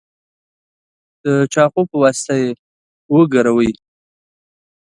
د چاقو په واسطه یې وګروئ.